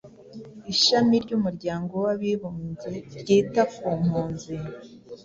ishami ry’umuryango w’abibumbye ryita ku mpunzi)